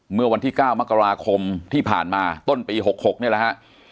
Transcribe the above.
เมื่อวันที่๙มกราคมที่ผ่านมาต้นปี๖๖นี่แหละฮะ